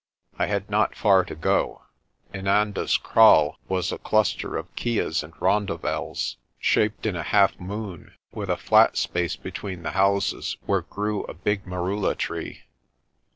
I had not far to go. Inanda's Kraal was a cluster of kyas and rondavels, shaped in a half moon, with a flat space between the houses, where grew a big merula tree.